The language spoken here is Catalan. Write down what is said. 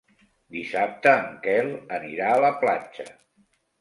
Dissabte en Quel anirà a la platja.